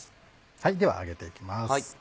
では揚げていきます。